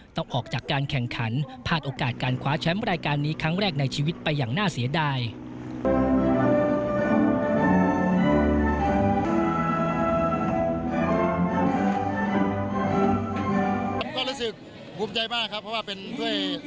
ต้องออกจากการแข่งขันพลาดโอกาสการคว้าแชมป์รายการนี้ครั้งแรกในชีวิตไปอย่างน่าเสียดาย